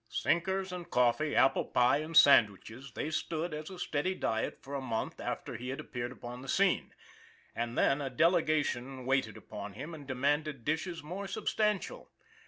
Sinkers and coffee, apple pie and sandwiches they stood as a steady diet for a month after he had appeared upon the scene, and then a delegation waited upon him and demanded dishes more substantial.